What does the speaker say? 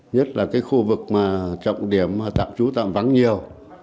nhất là cái khu vực mà trọng điểm tạm trú tạm vắng nhiều